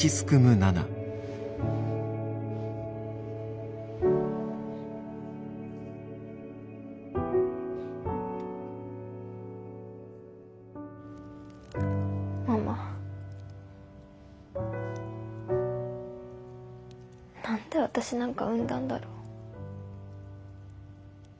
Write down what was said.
何で私なんか産んだんだろう。